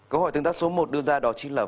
câu hỏi tương tác số một đưa ra đó chính là